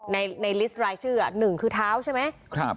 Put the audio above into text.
ในลิสต์รายชื่อหนึ่งคือเท้าใช่ไหม